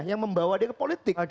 yang membawa dia ke politik